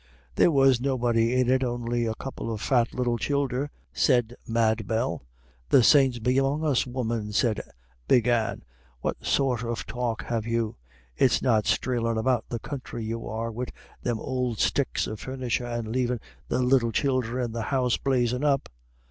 "There was nobody in it on'y the couple of fat little childer," said Mad Bell. "The saints be among us all, woman," said Big Anne, "what sort of talk have you? It's not streelin' about the counthry you are, wid them ould sticks of furnitur', and lavin' the little childer in the house blazin' up?